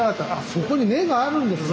そこに目があるんですね。